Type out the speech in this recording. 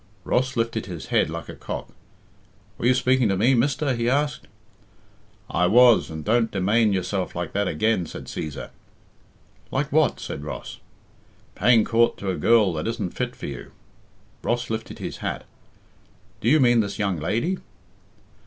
Ross lifted his head like a cock. "Were you speaking to me, mister?" he asked. "I was, and don't demane yourself like that again," said Cæsar. "Like what?" said Ross. "Paying coort to a girl that isn't fit for you." Ross lifted his hat, "Do you mean this young lady?"